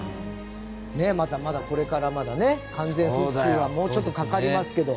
まだまだ、これから完全復旧にはもうちょっとかかりますけど。